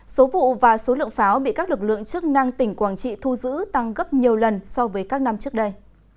số vụ và số lượng pháo bị các lực lượng chức năng tỉnh quảng trị thu giữ tăng gấp nhiều lần so với các năm trước đây